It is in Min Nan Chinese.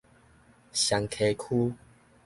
雙溪區